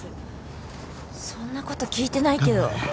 そんな事聞いてないけど。